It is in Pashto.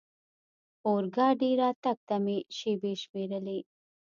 اورګاډي راتګ ته مې شېبې شمېرلې.